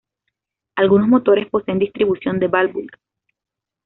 Algunos motores poseen distribución de válvulas.